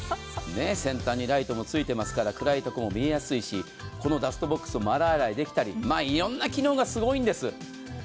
先端にライトもついてますから、暗いところも見えやすいですし、このダストボックスも丸洗いできたり、いろんな機能がすごいんです。